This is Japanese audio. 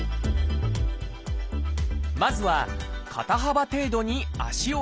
まずは肩幅程度に足を開きます。